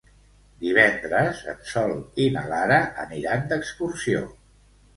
Divendres en Sol i na Lara aniran d'excursió.